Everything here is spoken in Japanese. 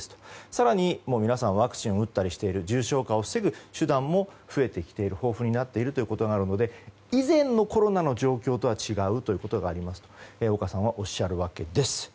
更に皆さんワクチンを打ったりしている重症化を防ぐ手段も豊富になっているということなので以前のコロナの状況とは違うということがありますと岡さんはおっしゃるわけです。